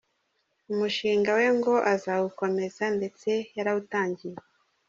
Umushinga we ngo azawukomeza ndetse yarawutangiye